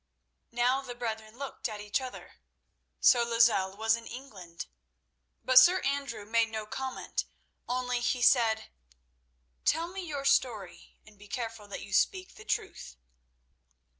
Now the brethren looked at each other. So Lozelle was in England. But Sir Andrew made no comment, only he said: "Tell me your story, and be careful that you speak the truth."